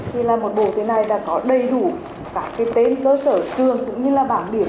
thì là một bộ thế này đã có đầy đủ các cái tên cơ sở trường cũng như là bảng điểm